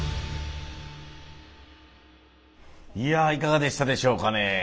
いやいかがでしたでしょうかね？